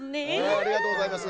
ありがとうございます。